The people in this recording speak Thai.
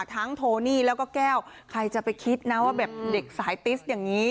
โทนี่แล้วก็แก้วใครจะไปคิดนะว่าแบบเด็กสายติสอย่างนี้